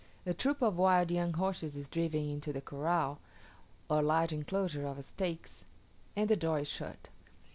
A troop of wild young horses is driven into the corral, or large enclosure of stakes, and the door is shut.